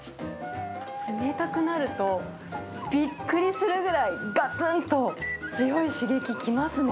冷たくなると、びっくりするぐらいがつんと強い刺激きますね。